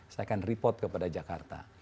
saya akan report kepada jakarta